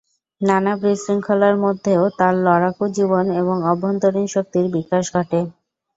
নানা বিশৃঙ্খলার মধ্যেও তাঁর লড়াকু জীবন এবং অভ্যন্তরীণ শক্তির বিকাশ ঘটে।